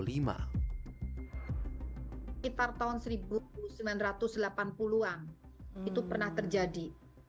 sekitar tahun seribu sembilan ratus delapan puluh an itu pernah terjadi